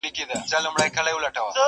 ستا د وصل تر منزله غرغړې دي او که دار دی،